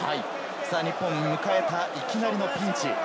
日本、迎えたいきなりのピンチ。